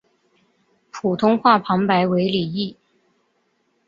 普通话旁白为李易。